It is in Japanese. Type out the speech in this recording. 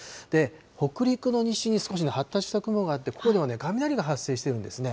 北陸西に少し発達した雲があって、ここでは雷が発生してるんですね。